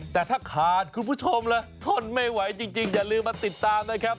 แต่ถ้าขาดคุณผู้ชมเลยทนไม่ไหวจริงอย่าลืมมาติดตามนะครับ